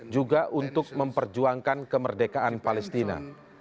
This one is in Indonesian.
juga untuk memperjuangkan kemerdekaan palestina